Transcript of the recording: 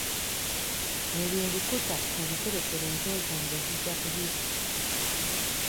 Ebyo ebikuta mubiterekere ente zange zijja kubirya.